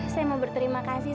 saya mau berterima kasih